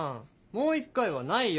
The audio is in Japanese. もう１回はないよ。